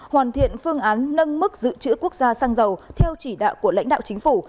hoàn thiện phương án nâng mức dự trữ quốc gia xăng dầu theo chỉ đạo của lãnh đạo chính phủ